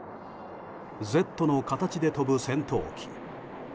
「Ｚ」の形で飛ぶ戦闘機。